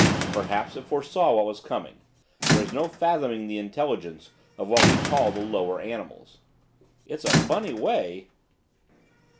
Perhaps it foresaw what was coming, there is no fathoming the intelligence of what we call the lower animals. 'It's a funny way.